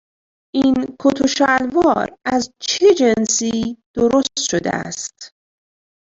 این کت و شلوار از چه جنسی درست شده است؟